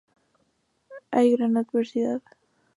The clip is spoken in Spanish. Hay gran diversidad.